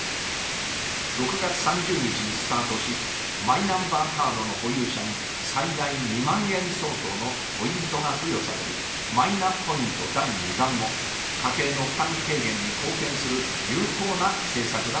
６月３０日にスタートし、マイナンバーカードの保有者に最大２万円相当のポイントが付与される、マイナポイント第２弾も家計の負担軽減に貢献する有効な政策だと考えます。